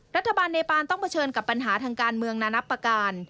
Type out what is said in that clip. รัฐบาลเนปานต้องเผชิญกับปัญหาทางการเมืองนานับประการ